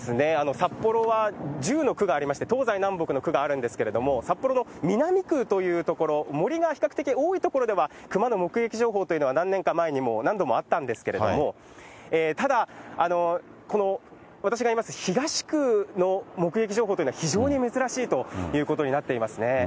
札幌は１０の区がありまして、東西南北の区があるんですけど、札幌の南区という所、森が比較的多い所は、熊の目撃情報というのは何年か前にも、何度もあったんですけど、ただ、この私がいます東区の目撃情報というのは、非常に珍しいということになっていますね。